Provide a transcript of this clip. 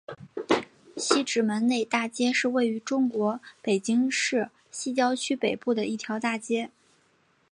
西直门内大街是位于中国北京市西城区北部的一条大街。